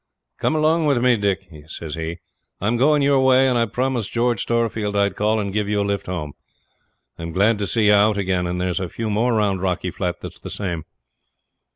'Come along with me, Dick,' says he. 'I'm going your way, and I promised George Storefield I'd call and give you a lift home. I'm glad to see you out again, and there's a few more round Rocky Flat that's the same.'